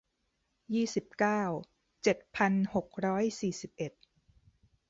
ยี่สิบเก้า เจ็ดพันหกร้อยสี่สิบเอ็ด